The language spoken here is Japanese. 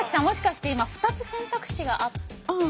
もしかして今２つ選択肢があって。